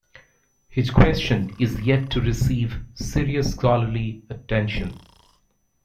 His question is yet to receive serious scholarly attention.